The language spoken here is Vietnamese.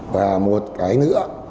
và một cái nữa